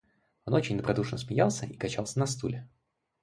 Он очень добродушно смеялся и качался на стуле.